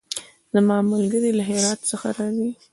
زما ملګری له هرات څخه راځی